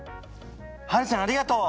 はるちゃんありがとう！